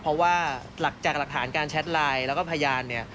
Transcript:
เพราะว่าจากหลักฐานการแชทไลน์แล้วก็พยานเนี่ย